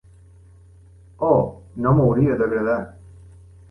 Oh, no m'hauria d'agradar!